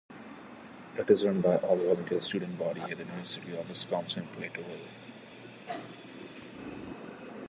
It is run by an all-volunteer student body at University of Wisconsin-Platteville.